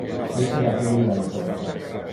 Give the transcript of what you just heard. Peter aperiva le porta.